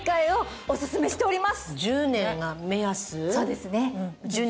そうですね。